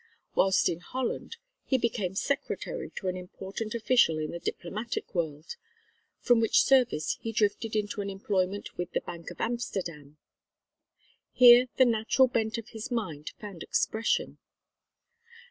Whilst in Holland he became secretary to an important official in the diplomatic world, from which service he drifted into an employment with the Bank of Amsterdam. Here the natural bent of his mind found expression.